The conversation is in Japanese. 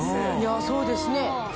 そうですね。